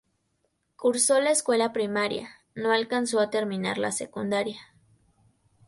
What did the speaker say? Cursó la escuela primaria, no alcanzó a terminar la secundaria.